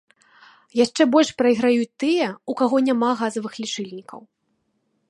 Яшчэ больш прайграюць тыя, у каго няма газавых лічыльнікаў.